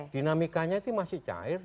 dinamikanya itu masih cair